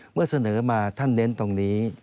เมื่อเสนอมาท่านเน้นตรงนี้